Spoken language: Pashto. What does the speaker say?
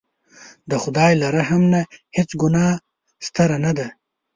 د خدای له رحم نه هېڅ ګناه ستره نه ده.